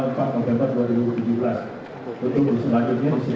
untuk selanjutnya disuruh penguat